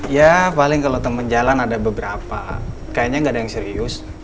ya paling kalau teman jalan ada beberapa kayaknya nggak ada yang serius